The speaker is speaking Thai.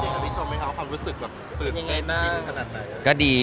มีอะไรดีครับพี่ชมดิครับความรู้สึกสุดสุดง่ายบินขนาดไหน